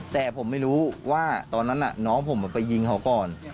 แต่ผมไม่รู้ว่าตอนนั้นน้องผมไปยิงเขาก่อน